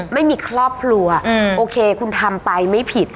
ไม่มีครอบครัวโอเคคุณทำไปไม่ผิด